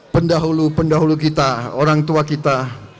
pendahulu pendahulu kita orang tua kita